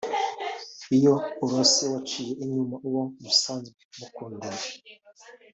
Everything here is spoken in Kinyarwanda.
Iyo urose waciye inyuma uwo musanzwe mukundana